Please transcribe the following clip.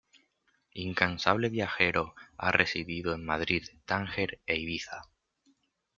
Incansable viajero ha residido en Madrid, Tánger e Ibiza.